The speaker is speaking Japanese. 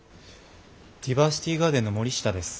ディバーシティガーデンの森下です。